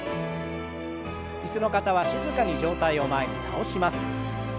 椅子の方は静かに上体を前に倒します。